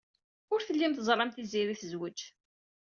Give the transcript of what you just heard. Ur tellim teẓram Tiziri tezwej.